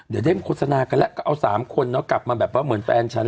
เดี๋ยวได้โฆษณากันแล้วก็เอา๓คนเนาะกลับมาแบบว่าเหมือนแฟนฉัน